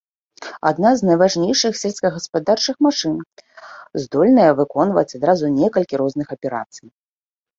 Адна з найважнейшых сельскагаспадарчых машын, здольная выконваць адразу некалькі розных аперацый.